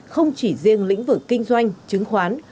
không chỉ riêng lĩnh vực kinh doanh chứng khoán